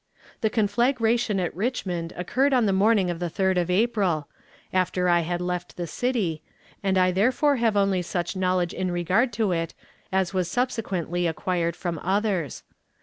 The conflagration at Richmond occurred on the morning of the 3d of April, after I had left the city, and I therefore have only such knowledge in regard to it as was subsequently acquired from others.